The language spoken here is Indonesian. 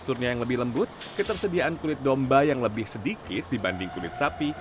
teksturnya yang lebih lembut ketersediaan kulit domba yang lebih sedikit dibanding kulit sapi